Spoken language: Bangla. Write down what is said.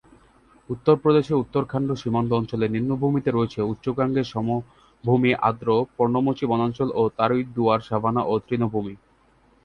উত্তরপ্রদেশ-উত্তরাখণ্ড সীমান্ত অঞ্চলের নিম্নভূমিতে রয়েছে উচ্চ গাঙ্গেয় সমভূমি আর্দ্র পর্ণমোচী বনাঞ্চল ও তরাই-দুয়ার সাভানা ও তৃণভূমি।